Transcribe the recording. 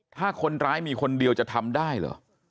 ถ้าคนร้ายมีคนเดียวจะทำได้เหรอ